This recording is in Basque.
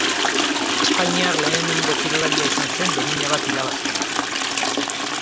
Espainiar lehenengo kirolaria izan zen domina bat irabazten.